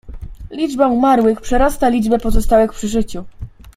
"Liczba umarłych przerasta liczbę pozostałych przy życiu."